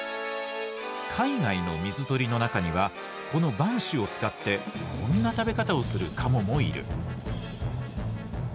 海外の水鳥の中にはこの板歯を使ってこんな食べ方をするカモもいる。